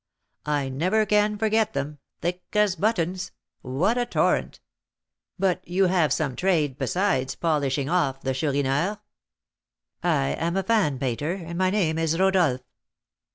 I never can forget them thick as buttons what a torrent! But you have some trade besides 'polishing off' the Chourineur?" "I am a fan painter, and my name is Rodolph."